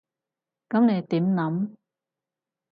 噉你點諗？